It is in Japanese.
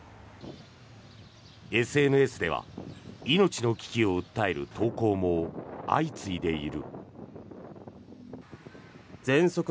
ＳＮＳでは、命の危機を訴える投稿も相次いでいる。